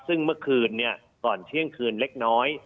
ซึ่งเมื่อคืนก่อนเที่ยงคืนเล็กน้อย